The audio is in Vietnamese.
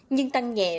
nhưng tăng nhẹ